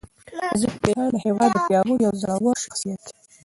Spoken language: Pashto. وزیرفتح خان د هیواد پیاوړی او زړور شخصیت دی.